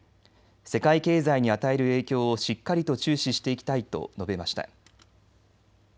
世界経済に与える影響をしっかりと注視していきたいと述べました。